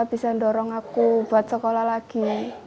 bisa dorong aku buat sekolah lagi